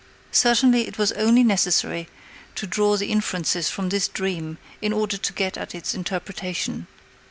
Certainly, it was only necessary to draw the inferences from this dream in order to get at its interpretation.